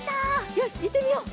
よしいってみよう！